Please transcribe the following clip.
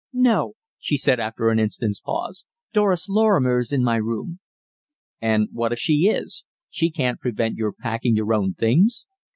"No," she said after an instant's pause. "Doris Lorrimer is in my room." "And what if she is? She can't prevent your packing your own things?"